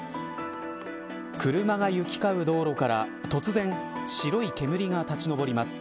車が行き交う道路から突然白い煙が立ち上ります。